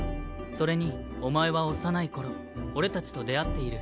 それにお前は幼いころ俺たちと出会っている。